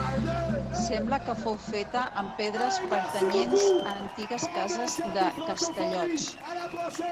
Sembla que fou feta amb pedres pertanyents a antigues cases de Castellots.